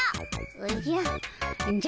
おじゃ。